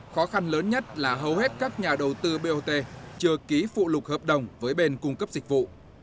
khó khăn lớn nhất là hầu hết các nhà đầu tư bot chưa ký phụ lục hợp đồng với bên cung cấp dịch vụ